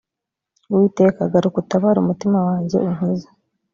uwiteka garuka utabare umutima wanjye unkize.